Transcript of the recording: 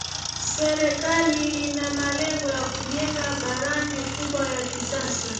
Serikali ina malengo ya kujenga bandari kubwa ya kisasa